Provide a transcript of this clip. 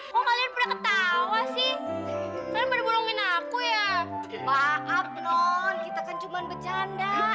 kau kalian pernah ketawa sih kan pada burung minah aku ya maaf non kita kan cuman bercanda